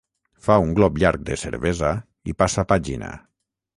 Fa un glop llarg de cervesa i passa pàgina.